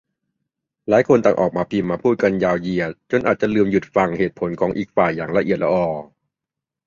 หลายคนต่างออกมาพิมพ์มาพูดกันยาวเหยียด จนอาจจะลืมหยุดฟังเหตุผลของอีกฝ่ายอย่างละเอียดลออ